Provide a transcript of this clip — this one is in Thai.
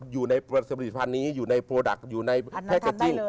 อยู่ในผลิตภัณฑ์นี้อยู่ในผลิตภัณฑ์อยู่ในแพทย์จริง